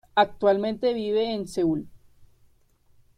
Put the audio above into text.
Actualmente vive en Seúl.